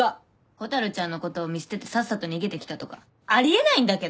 蛍ちゃんのことを見捨ててさっさと逃げてきたとかあり得ないんだけど。